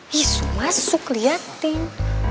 yes masuk liatin